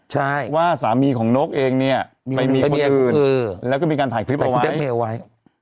ใช่ว่าสามีของนกเองเนี่ยไปมีคนอื่นเออแล้วก็มีการถ่ายคลิปเอาไว้ถ่ายคลิปแบล็กเมล์เอาไว้